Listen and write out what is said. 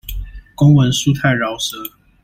公文書太饒舌